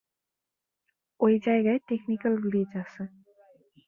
ওই জায়গায় technical glitch আছে।